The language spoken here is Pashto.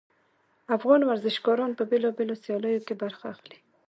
افغان ورزشګران په بیلابیلو سیالیو کې برخه اخلي